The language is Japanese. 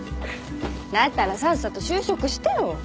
だったらさっさと就職してよ。